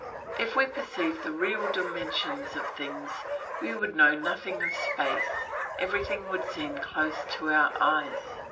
If we perceived the real dimensions of things, we should know nothing of space; everything would seem close to our eyes.